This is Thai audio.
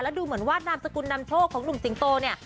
ดูเหมือนว่านามสกุลนำโชคของหนุ่มสิงโตเนี่ย